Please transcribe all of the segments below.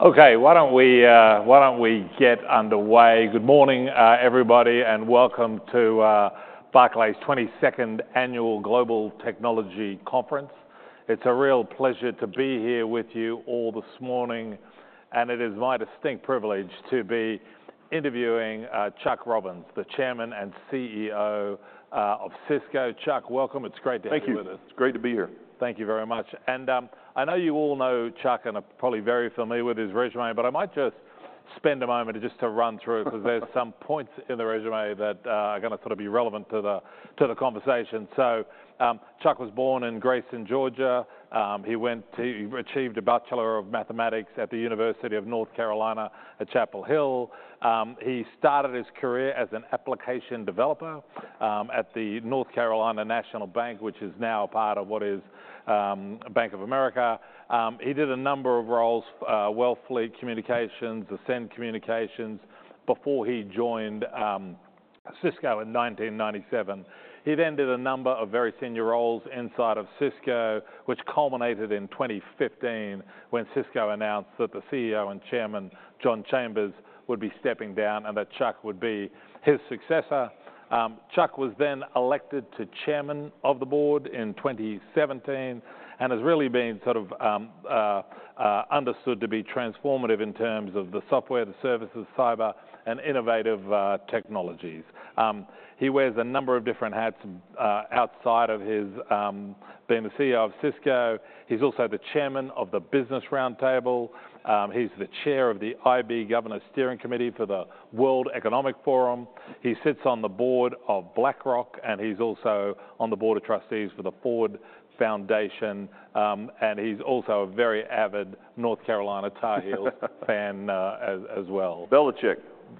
Okay, why don't we get underway? Good morning, everybody, and welcome to Barclays' 22nd Annual Global Technology Conference. It's a real pleasure to be here with you all this morning, and it is my distinct privilege to be interviewing Chuck Robbins, the Chairman and CEO of Cisco. Chuck, welcome. It's great to have you with us. Thank you. It's great to be here. Thank you very much. And I know you all know Chuck and are probably very familiar with his résumé, but I might just spend a moment just to run through it because there are some points in the résumé that are going to sort of be relevant to the conversation. So Chuck was born in Grayson, Georgia. He achieved a Bachelor of Mathematics at the University of North Carolina at Chapel Hill. He started his career as an application developer at the North Carolina National Bank, which is now part of what is Bank of America. He did a number of roles: Wellfleet Communications, Ascend Communications, before he joined Cisco in 1997. He then did a number of very senior roles inside of Cisco, which culminated in 2015 when Cisco announced that the CEO and Chairman, John Chambers, would be stepping down and that Chuck would be his successor. Chuck was then elected to Chairman of the Board in 2017 and has really been sort of understood to be transformative in terms of the software, the services, cyber, and innovative technologies. He wears a number of different hats outside of his being the CEO of Cisco. He's also the Chairman of the Business Roundtable. He's the Chair of the IB Governor Steering Committee for the World Economic Forum. He sits on the board of BlackRock, and he's also on the board of trustees for the Ford Foundation, and he's also a very avid North Carolina Tar Heels fan as well. Belichick.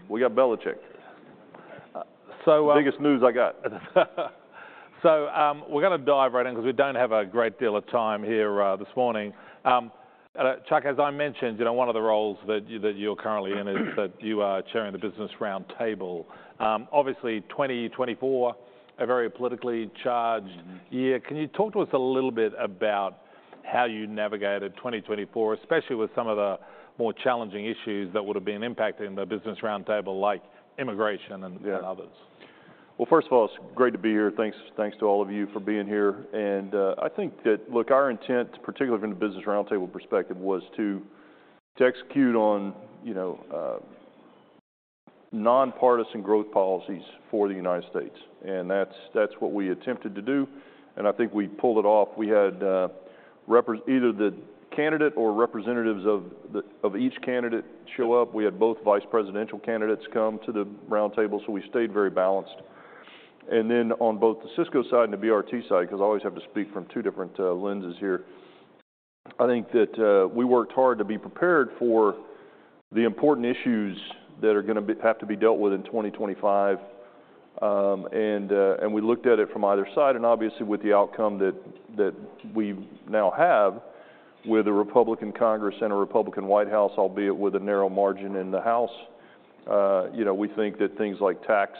We got Belichick. So. Biggest news I got. So we're going to dive right in because we don't have a great deal of time here this morning. Chuck, as I mentioned, one of the roles that you're currently in is that you are chairing the Business Roundtable. Obviously, 2024, a very politically charged year. Can you talk to us a little bit about how you navigated 2024, especially with some of the more challenging issues that would have been impacting the Business Roundtable, like immigration and others? First of all, it's great to be here. Thanks to all of you for being here. I think that, look, our intent, particularly from the Business Roundtable perspective, was to execute on nonpartisan growth policies for the United States. That's what we attempted to do. I think we pulled it off. We had either the candidate or representatives of each candidate show up. We had both vice presidential candidates come to the roundtable, so we stayed very balanced. Then on both the Cisco side and the BRT side, because I always have to speak from two different lenses here, I think that we worked hard to be prepared for the important issues that are going to have to be dealt with in 2025. We looked at it from either side. Obviously, with the outcome that we now have, with a Republican Congress and a Republican White House, albeit with a narrow margin in the House, we think that things like tax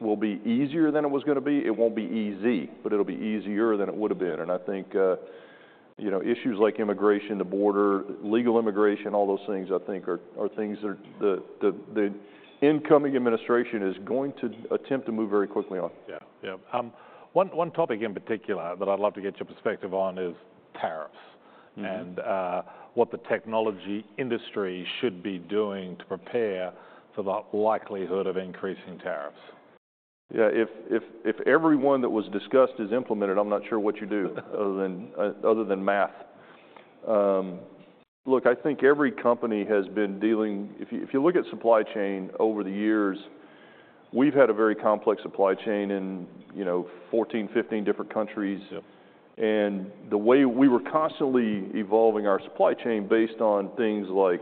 will be easier than it was going to be. It won't be easy, but it'll be easier than it would have been. I think issues like immigration, the border, legal immigration, all those things, I think, are things that the incoming administration is going to attempt to move very quickly on. Yeah, yeah. One topic in particular that I'd love to get your perspective on is tariffs and what the technology industry should be doing to prepare for the likelihood of increasing tariffs. Yeah, if everyone that was discussed is implemented, I'm not sure what you do other than math. Look, I think every company has been dealing, if you look at supply chain over the years, we've had a very complex supply chain in 14, 15 different countries, and the way we were constantly evolving our supply chain based on things like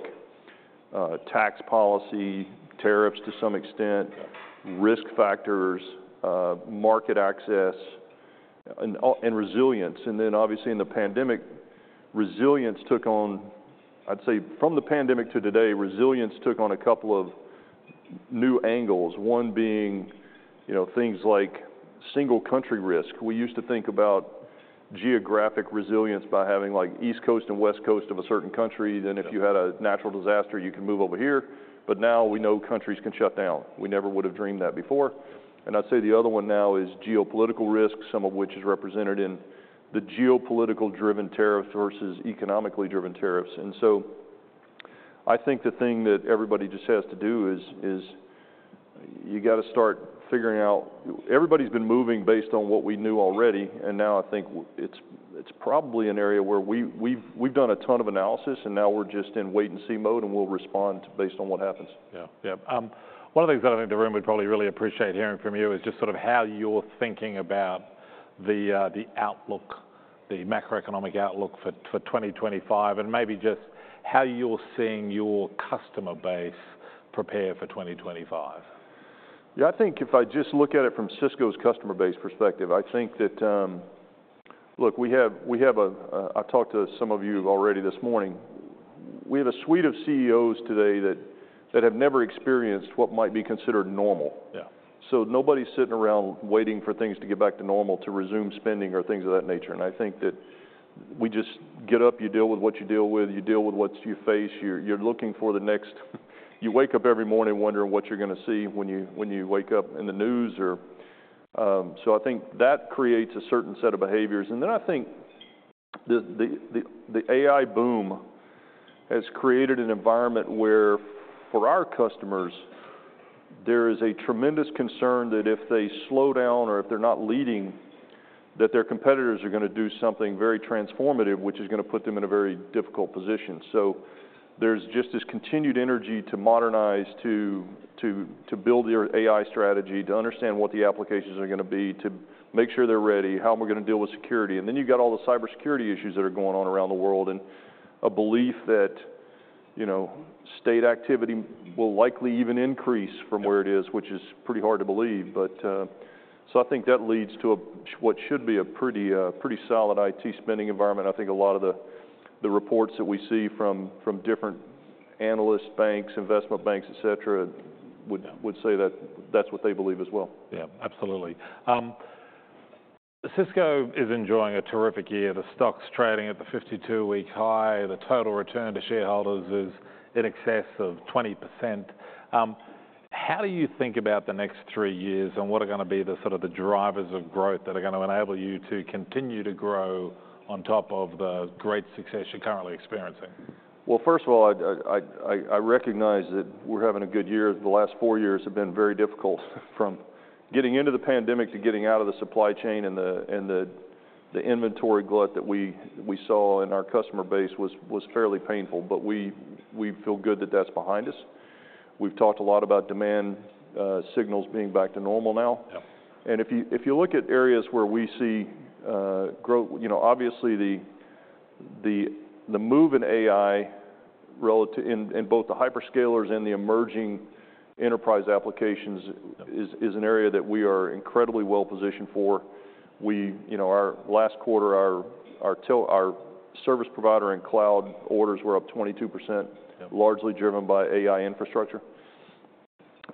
tax policy, tariffs to some extent, risk factors, market access, and resilience, and then obviously in the pandemic, resilience took on, I'd say from the pandemic to today, resilience took on a couple of new angles, one being things like single country risk. We used to think about geographic resilience by having like East Coast and West Coast of a certain country. Then if you had a natural disaster, you could move over here, but now we know countries can shut down. We never would have dreamed that before. And I'd say the other one now is geopolitical risk, some of which is represented in the geopolitical-driven tariffs versus economically-driven tariffs. And so I think the thing that everybody just has to do is you got to start figuring out, everybody's been moving based on what we knew already. And now I think it's probably an area where we've done a ton of analysis, and now we're just in wait and see mode, and we'll respond based on what happens. Yeah, yeah. One of the things that I think Darin would probably really appreciate hearing from you is just sort of how you're thinking about the outlook, the macroeconomic outlook for 2025, and maybe just how you're seeing your customer base prepare for 2025. Yeah, I think if I just look at it from Cisco's customer base perspective, I think that, look, we have, I talked to some of you already this morning. We have a suite of CEOs today that have never experienced what might be considered normal. So nobody's sitting around waiting for things to get back to normal, to resume spending or things of that nature. And I think that we just get up, you deal with what you deal with, you deal with what you face. You're looking for the next, you wake up every morning wondering what you're going to see when you wake up in the news. So I think that creates a certain set of behaviors. And then I think the AI boom has created an environment where, for our customers, there is a tremendous concern that if they slow down or if they're not leading, that their competitors are going to do something very transformative, which is going to put them in a very difficult position. So there's just this continued energy to modernize, to build their AI strategy, to understand what the applications are going to be, to make sure they're ready, how we're going to deal with security. And then you've got all the cybersecurity issues that are going on around the world and a belief that state activity will likely even increase from where it is, which is pretty hard to believe. So I think that leads to what should be a pretty solid IT spending environment. I think a lot of the reports that we see from different analysts, banks, investment banks, et cetera, would say that that's what they believe as well. Yeah, absolutely. Cisco is enjoying a terrific year. The stock's trading at the 52-week high. The total return to shareholders is in excess of 20%. How do you think about the next three years and what are going to be the sort of drivers of growth that are going to enable you to continue to grow on top of the great success you're currently experiencing? First of all, I recognize that we're having a good year. The last four years have been very difficult from getting into the pandemic to getting out of the supply chain and the inventory glut that we saw in our customer base was fairly painful. We feel good that that's behind us. We've talked a lot about demand signals being back to normal now. If you look at areas where we see growth, obviously the move in AI in both the hyperscalers and the emerging enterprise applications is an area that we are incredibly well positioned for. Our last quarter, our service provider and cloud orders were up 22%, largely driven by AI infrastructure.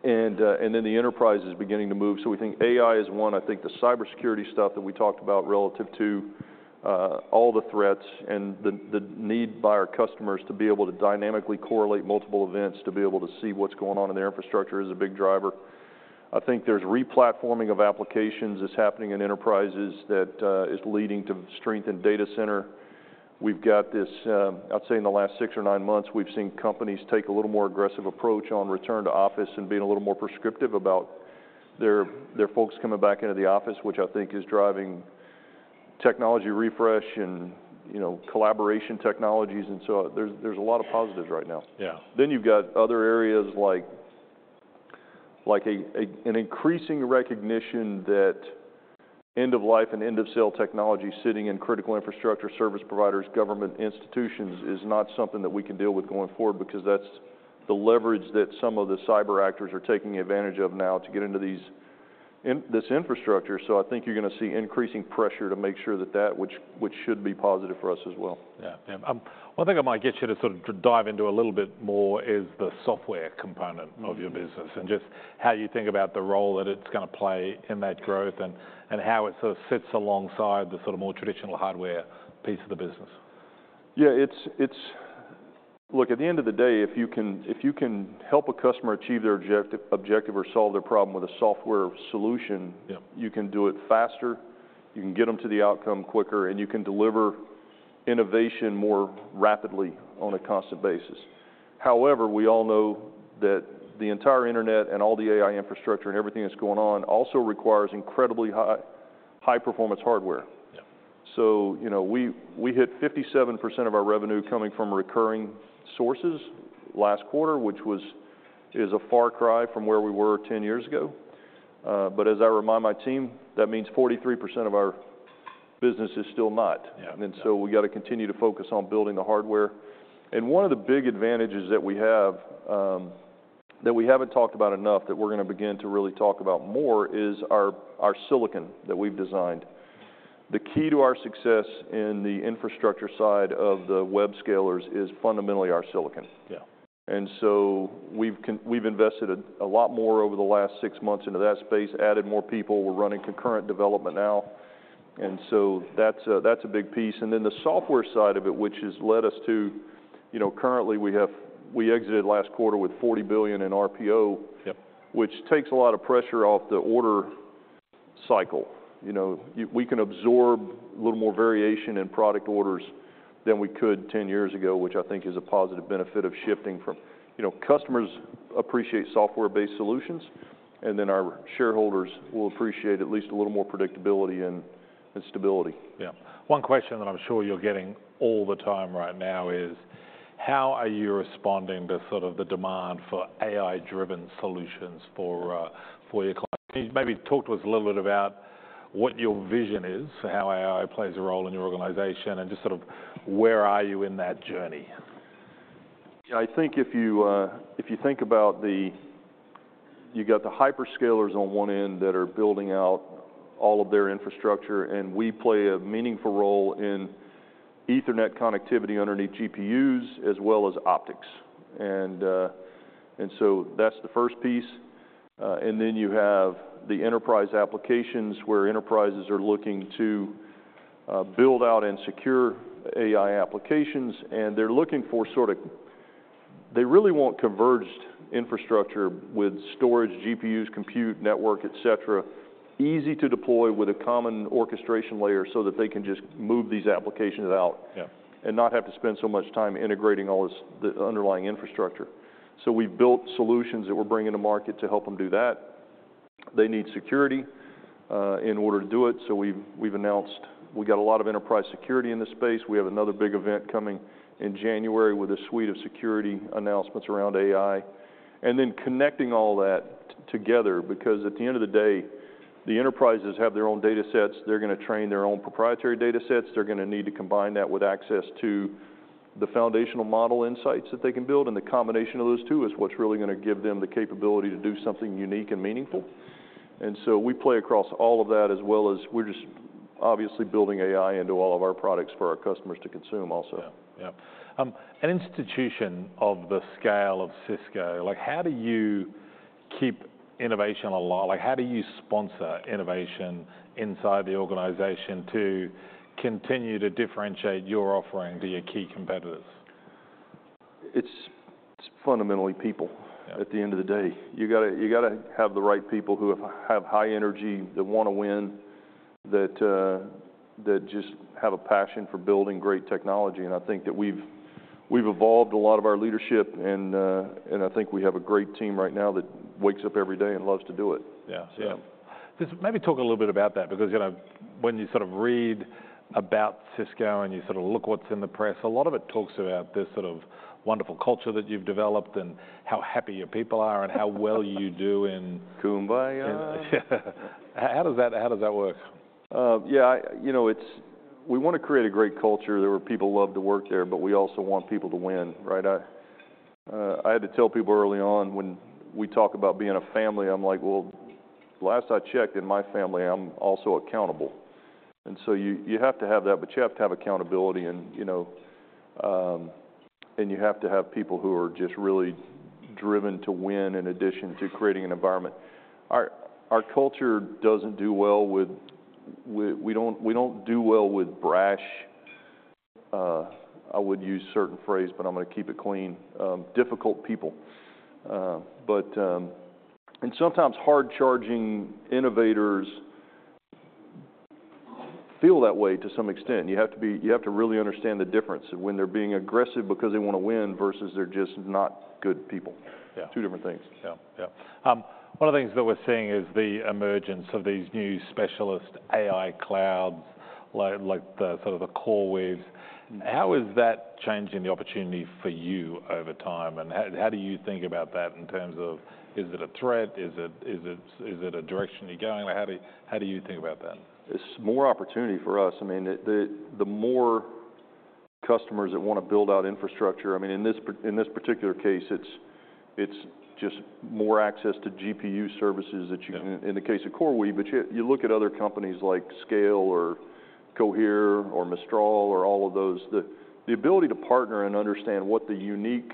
Then the enterprise is beginning to move. We think AI is one. I think the cybersecurity stuff that we talked about relative to all the threats and the need by our customers to be able to dynamically correlate multiple events to be able to see what's going on in their infrastructure is a big driver. I think there's replatforming of applications that's happening in enterprises that is leading to strengthened data center. We've got this. I'd say in the last six or nine months, we've seen companies take a little more aggressive approach on return to office and being a little more prescriptive about their folks coming back into the office, which I think is driving technology refresh and collaboration technologies, and so there's a lot of positives right now. Yeah, then you've got other areas like an increasing recognition that end-of-life and end-of-sale technology sitting in critical infrastructure, service providers, government institutions is not something that we can deal with going forward because that's the leverage that some of the cyber actors are taking advantage of now to get into this infrastructure. So I think you're going to see increasing pressure to make sure that, which should be positive for us as well. Yeah. One thing I might get you to sort of dive into a little bit more is the software component of your business and just how you think about the role that it's going to play in that growth and how it sort of sits alongside the sort of more traditional hardware piece of the business. Yeah, it's, look, at the end of the day, if you can help a customer achieve their objective or solve their problem with a software solution, you can do it faster, you can get them to the outcome quicker, and you can deliver innovation more rapidly on a constant basis. However, we all know that the entire internet and all the AI infrastructure and everything that's going on also requires incredibly high-performance hardware, so we hit 57% of our revenue coming from recurring sources last quarter, which is a far cry from where we were 10 years ago, but as I remind my team, that means 43% of our business is still not, and so we got to continue to focus on building the hardware. And one of the big advantages that we have, that we haven't talked about enough, that we're going to begin to really talk about more is our silicon that we've designed. The key to our success in the infrastructure side of the hyperscalers is fundamentally our silicon. And so we've invested a lot more over the last six months into that space, added more people. We're running concurrent development now. And so that's a big piece. And then the software side of it, which has led us to currently we exited last quarter with $40 billion in RPO, which takes a lot of pressure off the order cycle. We can absorb a little more variation in product orders than we could 10 years ago, which I think is a positive benefit of shifting. Customers appreciate software-based solutions, and then our shareholders will appreciate at least a little more predictability and stability. Yeah. One question that I'm sure you're getting all the time right now is how are you responding to sort of the demand for AI-driven solutions for your clients? Can you maybe talk to us a little bit about what your vision is for how AI plays a role in your organization and just sort of where are you in that journey? Yeah, I think if you think about, you've got the hyperscalers on one end that are building out all of their infrastructure, and we play a meaningful role in Ethernet connectivity underneath GPUs as well as optics, and then you have the enterprise applications where enterprises are looking to build out and secure AI applications, and they're looking for sort of, they really want converged infrastructure with storage, GPUs, compute network, et cetera, easy to deploy with a common orchestration layer so that they can just move these applications out and not have to spend so much time integrating all this underlying infrastructure, so we've built solutions that we're bringing to market to help them do that, they need security in order to do it, so we've announced we've got a lot of enterprise security in this space. We have another big event coming in January with a suite of security announcements around AI, and then connecting all that together because at the end of the day, the enterprises have their own data sets. They're going to train their own proprietary data sets. They're going to need to combine that with access to the foundational model insights that they can build. And the combination of those two is what's really going to give them the capability to do something unique and meaningful, and so we play across all of that as well as we're just obviously building AI into all of our products for our customers to consume also. Yeah, yeah. An institution of the scale of Cisco, how do you keep innovation alive? How do you sponsor innovation inside the organization to continue to differentiate your offering to your key competitors? It's fundamentally people at the end of the day. You got to have the right people who have high energy, that want to win, that just have a passion for building great technology. And I think that we've evolved a lot of our leadership, and I think we have a great team right now that wakes up every day and loves to do it. Yeah, yeah. Maybe talk a little bit about that because when you sort of read about Cisco and you sort of look what's in the press, a lot of it talks about this sort of wonderful culture that you've developed and how happy your people are and how well you do in. Kumbaya. Yeah. How does that work? Yeah, you know we want to create a great culture where people love to work there, but we also want people to win, right? I had to tell people early on when we talk about being a family. I'm like, well, last I checked in my family, I'm also accountable. And so you have to have that, but you have to have accountability, and you have to have people who are just really driven to win in addition to creating an environment. Our culture doesn't do well with brash. I would use certain phrase, but I'm going to keep it clean, difficult people. And sometimes hard-charging innovators feel that way to some extent. You have to really understand the difference of when they're being aggressive because they want to win versus they're just not good people. Two different things. Yeah, yeah. One of the things that we're seeing is the emergence of these new specialist AI clouds, like the sort of the CoreWeave. How is that changing the opportunity for you over time? And how do you think about that in terms of is it a threat? Is it a direction you're going? How do you think about that? It's more opportunity for us. I mean, the more customers that want to build out infrastructure, I mean, in this particular case, it's just more access to GPU services that you can in the case of CoreWeave, but you look at other companies like Scale or Cohere or Mistral or all of those. The ability to partner and understand what the unique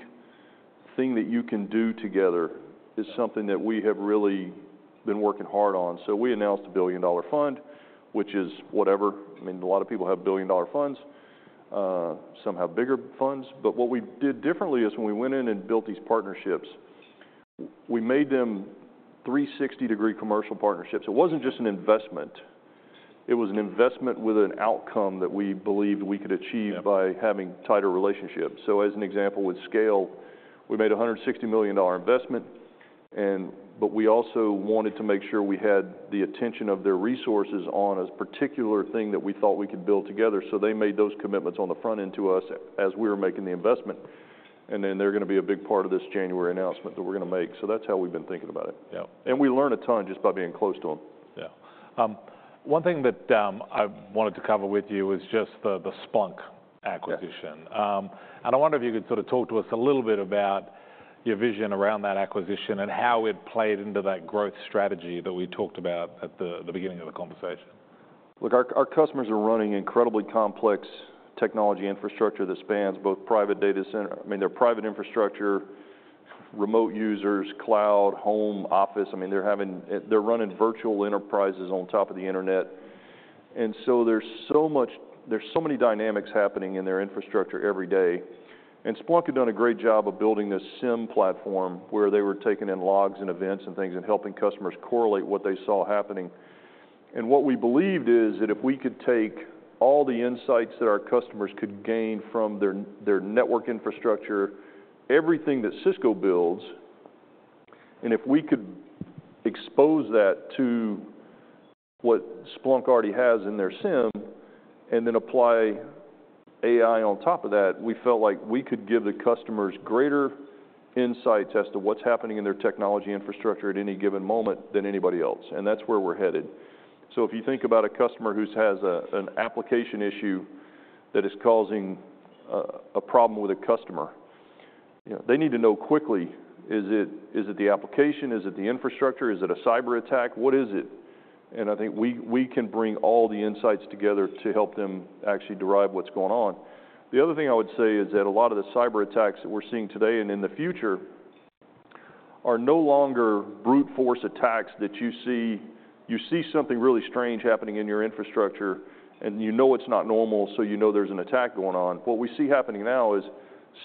thing that you can do together is something that we have really been working hard on, so we announced a $1 billion fund, which is whatever. I mean, a lot of people have $1 billion funds, some have bigger funds, but what we did differently is when we went in and built these partnerships, we made them 360-degree commercial partnerships. It wasn't just an investment. It was an investment with an outcome that we believed we could achieve by having tighter relationships. So as an example, with Scale, we made a $160 million investment, but we also wanted to make sure we had the attention of their resources on a particular thing that we thought we could build together. So they made those commitments on the front end to us as we were making the investment. And then they're going to be a big part of this January announcement that we're going to make. So that's how we've been thinking about it. And we learned a ton just by being close to them. Yeah. One thing that I wanted to cover with you is just the Splunk acquisition, and I wonder if you could sort of talk to us a little bit about your vision around that acquisition and how it played into that growth strategy that we talked about at the beginning of the conversation? Look, our customers are running incredibly complex technology infrastructure that spans both private data center. I mean, their private infrastructure, remote users, cloud, home, office. I mean, they're running virtual enterprises on top of the internet. So there's so many dynamics happening in their infrastructure every day. Splunk had done a great job of building this SIEM platform where they were taking in logs and events and things and helping customers correlate what they saw happening. And what we believed is that if we could take all the insights that our customers could gain from their network infrastructure, everything that Cisco builds, and if we could expose that to what Splunk already has in their SIEM and then apply AI on top of that, we felt like we could give the customers greater insights as to what's happening in their technology infrastructure at any given moment than anybody else. And that's where we're headed. So if you think about a customer who has an application issue that is causing a problem with a customer, they need to know quickly, is it the application? Is it the infrastructure? Is it a cyber attack? What is it? And I think we can bring all the insights together to help them actually derive what's going on. The other thing I would say is that a lot of the cyber attacks that we're seeing today and in the future are no longer brute force attacks that you see something really strange happening in your infrastructure and you know it's not normal, so you know there's an attack going on. What we see happening now is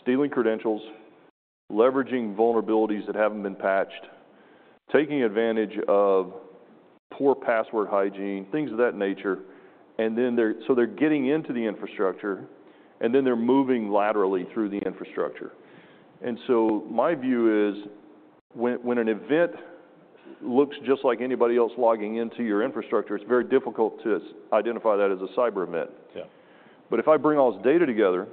stealing credentials, leveraging vulnerabilities that haven't been patched, taking advantage of poor password hygiene, things of that nature. And then they're getting into the infrastructure and then they're moving laterally through the infrastructure. And so my view is when an event looks just like anybody else logging into your infrastructure, it's very difficult to identify that as a cyber event. But if I bring all this data together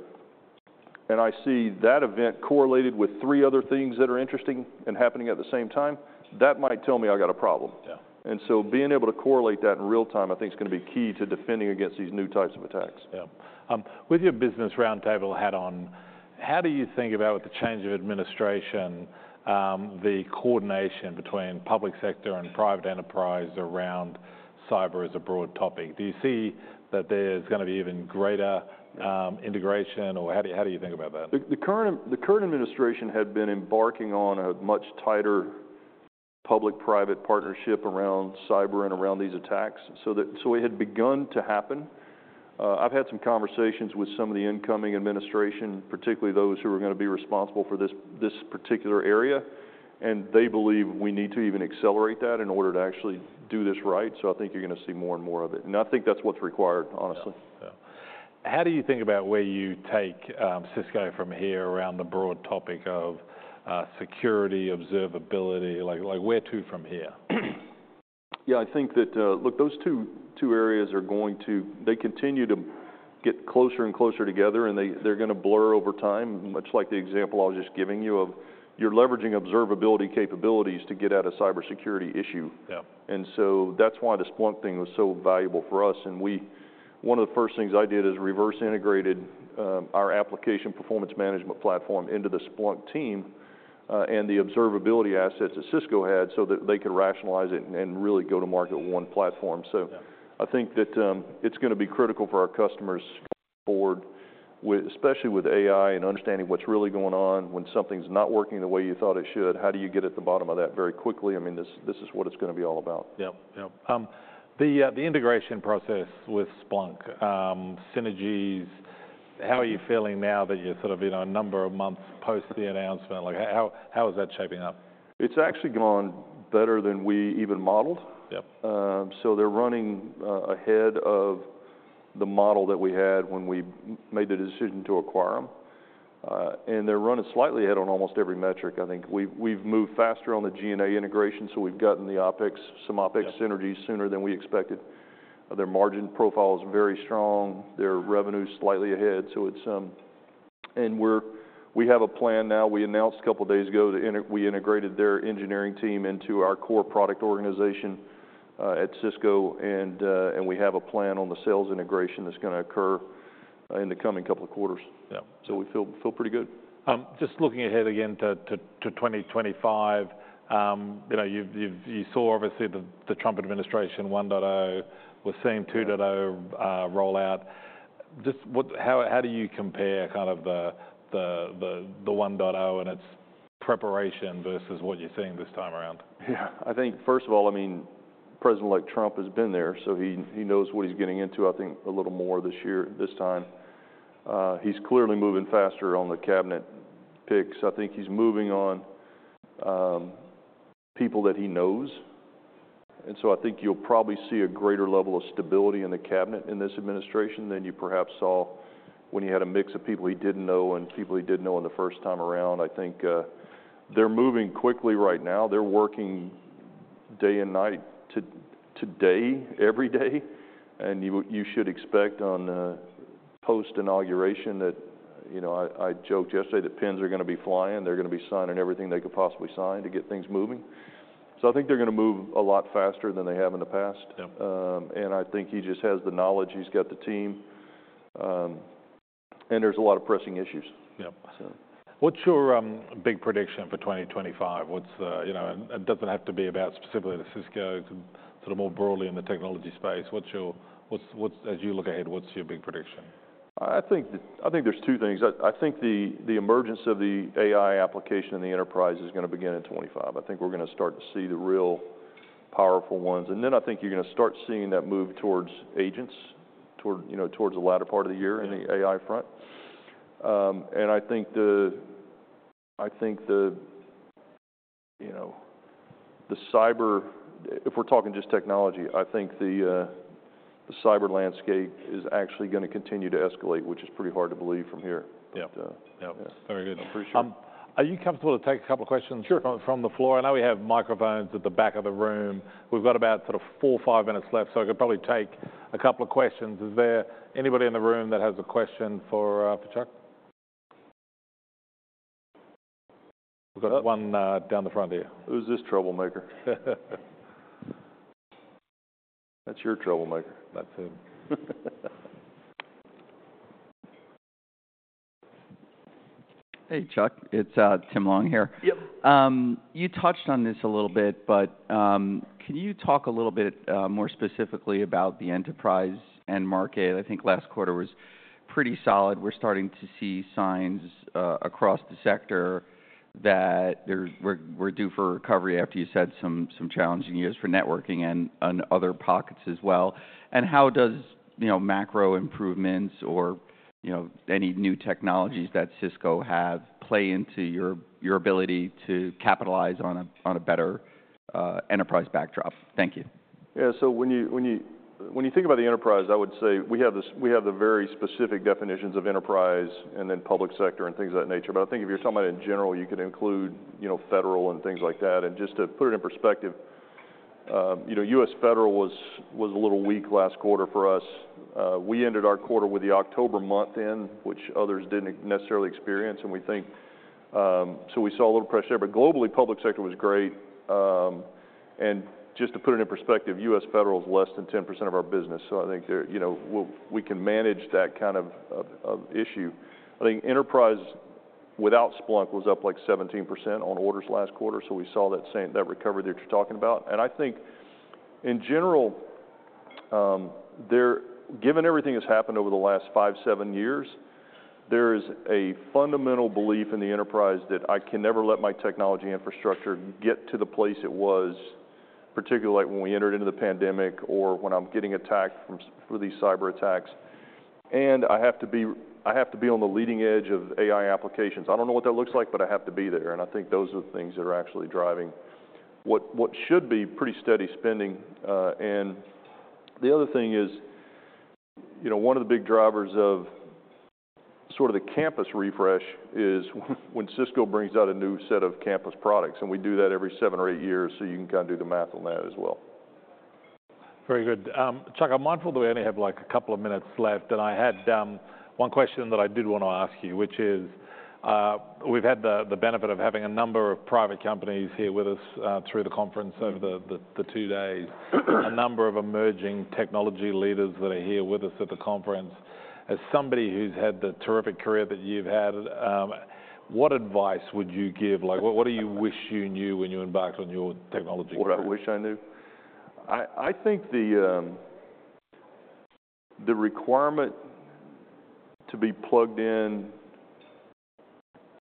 and I see that event correlated with three other things that are interesting and happening at the same time, that might tell me I got a problem. And so being able to correlate that in real time, I think it's going to be key to defending against these new types of attacks. Yeah. With your Business Roundtable hat on, how do you think about with the change of administration, the coordination between public sector and private enterprise around cyber as a broad topic? Do you see that there's going to be even greater integration or how do you think about that? The current administration had been embarking on a much tighter public-private partnership around cyber and around these attacks. So it had begun to happen. I've had some conversations with some of the incoming administration, particularly those who are going to be responsible for this particular area, and they believe we need to even accelerate that in order to actually do this right. So I think you're going to see more and more of it. And I think that's what's required, honestly. Yeah. How do you think about where you take Cisco from here around the broad topic of security, observability? Like where to from here? Yeah, I think that, look, those two areas are going to continue to get closer and closer together, and they're going to blur over time, much like the example I was just giving you of you're leveraging observability capabilities to get at a cybersecurity issue. And so that's why the Splunk thing was so valuable for us. And one of the first things I did is reverse integrated our application performance management platform into the Splunk team and the observability assets that Cisco had so that they could rationalize it and really go to market one platform. So I think that it's going to be critical for our customers going forward, especially with AI and understanding what's really going on when something's not working the way you thought it should. How do you get at the bottom of that very quickly? I mean, this is what it's going to be all about. Yeah, yeah. The integration process with Splunk, synergies, how are you feeling now that you're sort of a number of months post the announcement? Like how is that shaping up? It's actually gone better than we even modeled. So they're running ahead of the model that we had when we made the decision to acquire them. And they're running slightly ahead on almost every metric, I think. We've moved faster on the Splunk integration, so we've gotten the OpEx, some OpEx synergies sooner than we expected. Their margin profile is very strong. Their revenue slightly ahead. And we have a plan now. We announced a couple of days ago that we integrated their engineering team into our core product organization at Cisco, and we have a plan on the sales integration that's going to occur in the coming couple of quarters. So we feel pretty good. Just looking ahead again to 2025, you saw obviously the Trump Administration 1.0. We're seeing 2.0 rollout. Just how do you compare kind of the 1.0 and its preparation versus what you're seeing this time around? Yeah. I think first of all, I mean, President-elect Trump has been there, so he knows what he's getting into, I think, a little more this year, this time. He's clearly moving faster on the cabinet picks. I think he's moving on people that he knows. And so I think you'll probably see a greater level of stability in the cabinet in this administration than you perhaps saw when he had a mix of people he didn't know and people he didn't know in the first time around. I think they're moving quickly right now. They're working day and night today, every day. And you should expect on post-inauguration that I joked yesterday that pens are going to be flying. They're going to be signing everything they could possibly sign to get things moving. So I think they're going to move a lot faster than they have in the past. And I think he just has the knowledge. He's got the team. And there's a lot of pressing issues. Yeah. What's your big prediction for 2025? It doesn't have to be about specifically the Cisco, sort of more broadly in the technology space. As you look ahead, what's your big prediction? I think there's two things. I think the emergence of the AI application in the enterprise is going to begin in 2025. I think we're going to start to see the real powerful ones. And then I think you're going to start seeing that move towards agents, towards the latter part of the year in the AI front. And I think the cyber, if we're talking just technology, I think the cyber landscape is actually going to continue to escalate, which is pretty hard to believe from here. Yeah. Very good. I appreciate it. Are you comfortable to take a couple of questions from the floor? I know we have microphones at the back of the room. We've got about sort of four, five minutes left, so I could probably take a couple of questions. Is there anybody in the room that has a question for Chuck? We've got one down the front there. Who's this troublemaker? That's your troublemaker. That's him. Hey, Chuck. It's Tim Long here. Yep. You touched on this a little bit, but can you talk a little bit more specifically about the enterprise and market? I think last quarter was pretty solid. We're starting to see signs across the sector that we're due for recovery after you said some challenging years for networking and other pockets as well, and how does macro improvements or any new technologies that Cisco have play into your ability to capitalize on a better enterprise backdrop? Thank you. Yeah. So when you think about the enterprise, I would say we have the very specific definitions of enterprise and then public sector and things of that nature. But I think if you're talking about it in general, you could include federal and things like that. And just to put it in perspective, US federal was a little weak last quarter for us. We ended our quarter with the October month in, which others didn't necessarily experience. And we think so we saw a little pressure there. But globally, public sector was great. And just to put it in perspective, US federal is less than 10% of our business. So I think we can manage that kind of issue. I think enterprise without Splunk was up like 17% on orders last quarter. So we saw that recovery that you're talking about. And I think in general, given everything that's happened over the last five, seven years, there is a fundamental belief in the enterprise that I can never let my technology infrastructure get to the place it was, particularly like when we entered into the pandemic or when I'm getting attacked for these cyber attacks. And I have to be on the leading edge of AI applications. I don't know what that looks like, but I have to be there. And I think those are the things that are actually driving what should be pretty steady spending. And the other thing is one of the big drivers of sort of the campus refresh is when Cisco brings out a new set of campus products. And we do that every seven or eight years. So you can kind of do the math on that as well. Very good. Chuck, I'm mindful that we only have like a couple of minutes left, and I had one question that I did want to ask you, which is we've had the benefit of having a number of private companies here with us through the conference over the two days, a number of emerging technology leaders that are here with us at the conference. As somebody who's had the terrific career that you've had, what advice would you give? Like what do you wish you knew when you embarked on your technology career? What do I wish I knew? I think the requirement to be plugged in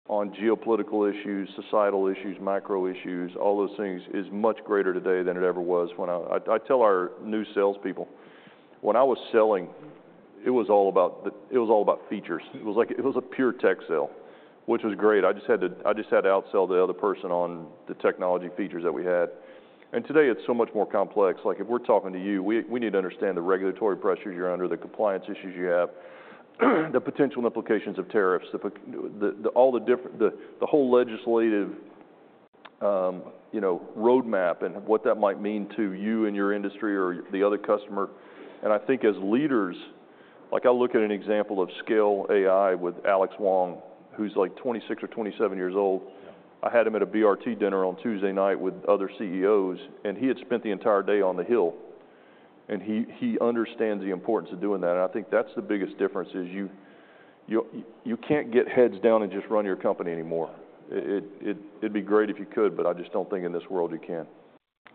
on geopolitical issues, societal issues, macro issues, all those things is much greater today than it ever was. I tell our new salespeople, when I was selling, it was all about features. It was like it was a pure tech sale, which was great. I just had to outsell the other person on the technology features that we had. And today, it's so much more complex. Like if we're talking to you, we need to understand the regulatory pressures you're under, the compliance issues you have, the potential implications of tariffs, all the whole legislative roadmap and what that might mean to you and your industry or the other customer. And I think as leaders, like I look at an example of Scale AI with Alexandr Wang, who's like 26 or 27 years old. I had him at a BRT dinner on Tuesday night with other CEOs, and he had spent the entire day on the Hill, and he understands the importance of doing that, and I think that's the biggest difference, is you can't get heads down and just run your company anymore, it'd be great if you could, but I just don't think in this world you can.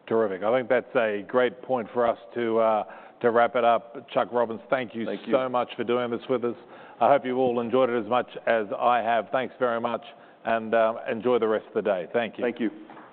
Terrific. I think that's a great point for us to wrap it up. Chuck Robbins, thank you so much for doing this with us. I hope you all enjoyed it as much as I have. Thanks very much, and enjoy the rest of the day. Thank you. Thank you.